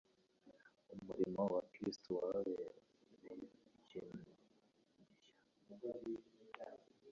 Umurimo wa Kristo wababereye ikintu gishya,